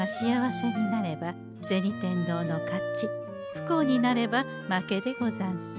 不幸になれば負けでござんす。